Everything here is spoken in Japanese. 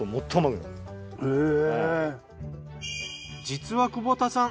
実は久保田さん